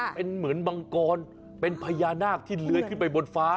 เป็นเหมือนมังกรเป็นพญานาคที่เลื้อยขึ้นไปบนฟ้า